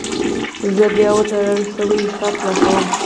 زه بیا وتړل شوی حساب خلاصوم.